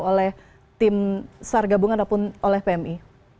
atau oleh tim sargabungan ataupun oleh pmi